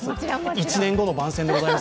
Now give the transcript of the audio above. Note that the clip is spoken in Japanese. １年後の番宣でございます。